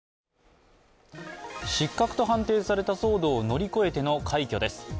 失格と判定された騒動を乗り越えての快挙です。